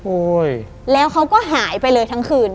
แล้วเขาก็หายไปเลยทั้งคืน